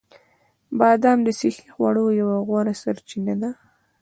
بادام د صحي خوړو یوه غوره سرچینه ده.